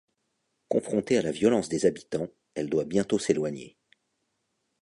Confrontée à la violence des habitants, elle doit bientôt s'éloigner.